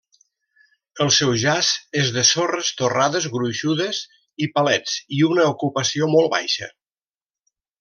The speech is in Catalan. El seu jaç és de sorres torrades gruixudes i palets i una ocupació molt baixa.